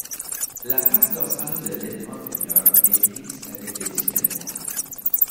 La face dorsale de l'aile antérieure est grise avec des tirets noirs.